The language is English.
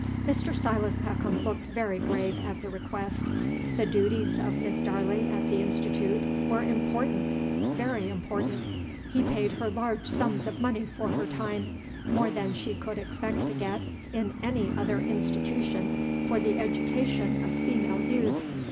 Mr. Silas Peckham looked very grave at the request. The dooties of Miss Darley at the Institoot were important, very important. He paid her large sums of money for her time, more than she could expect to get in any other institootion for the edoocation of female youth.